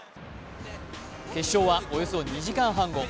決勝はおよそ２時間半後。